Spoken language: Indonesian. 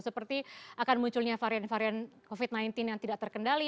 seperti akan munculnya varian varian covid sembilan belas yang tidak terkendali